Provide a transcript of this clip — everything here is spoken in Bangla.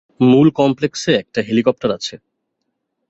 মূল কমপ্লেক্সে একটা হেলিকপ্টার আছে।